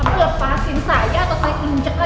kamu lepasin saya atau saya injek lagi